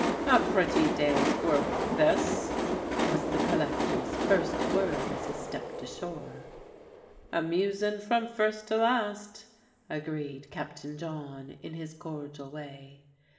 "A pretty day's work this!" was the collector's first word as he stepped ashore. "Amusin' from first to last," agreed Captain John in his cordial way.